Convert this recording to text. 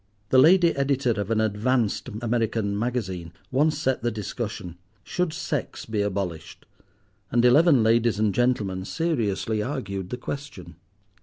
The lady editor of an "advanced" American magazine once set the discussion—"Should sex be abolished?" and eleven ladies and gentlemen seriously argued the question.